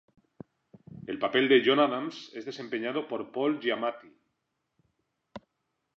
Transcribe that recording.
El papel de John Adams es desempeñado por Paul Giamatti.